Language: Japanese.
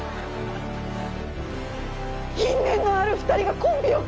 因縁のある２人がコンビを組む。